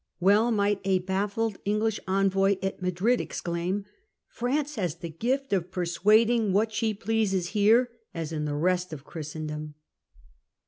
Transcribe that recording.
Well might a baffled English envoy at Madrid exclaim, ' France has the gift of persuading what she pleases here as in the rest of Christendom.